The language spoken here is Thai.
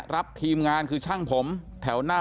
ครับพี่หนูเป็นช้างแต่งหน้านะ